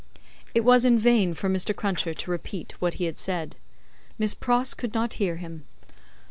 It was in vain for Mr. Cruncher to repeat what he said; Miss Pross could not hear him.